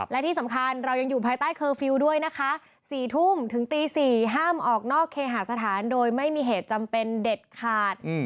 และที่สำคัญเรายังอยู่ภายใต้เคอร์ฟิลล์ด้วยนะคะ๔ทุ่มถึงตี๔ห้ามออกนอกเคหาสถานโดยไม่มีเหตุจำเป็นเด็ดขาด